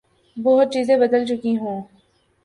بہت چیزیں بدل چکی ہوں۔